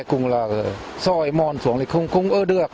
kheo cùng là xoài mòn xuống thì không ở được